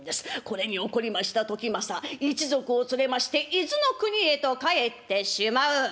これに怒りました時政一族を連れまして伊豆の国へと帰ってしまう。